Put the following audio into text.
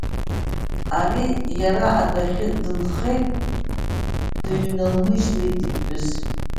Ари иара адәахьы дынхеит, дыҩналмыжьлеит иԥҳәыс.